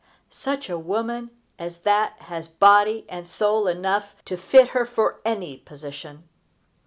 Such a woman as that has body and soul enough to fit her for any position.